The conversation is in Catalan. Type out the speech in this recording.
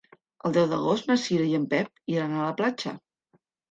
El deu d'agost na Cira i en Pep iran a la platja.